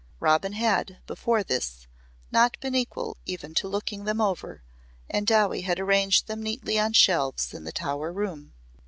Robin had, before this, not been equal even to looking them over and Dowie had arranged them neatly on shelves in the Tower room.